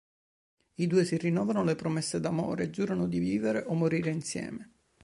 I due si rinnovano le promesse d'amore e giurano di vivere o morire insieme.